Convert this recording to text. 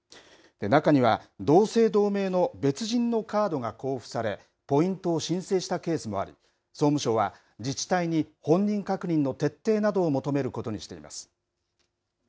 中には同姓同名の別人のカードが交付され、ポイントを申請したケースもあり、総務省は、自治体に本人確認の徹底などを求めることにしています。